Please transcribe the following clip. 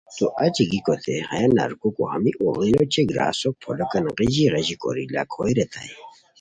تو اچی گیکوت ہیہ نارکوکو ہمی اوڑین اوچے گراسو پھولوکان غیژی غیژی کوری لاکوئے ریتائے